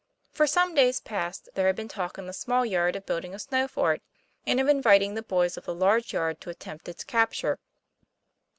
For some days past there had been talk in the small yard of building a snow fort, and of inviting the boys of the large yard to attempt its capture.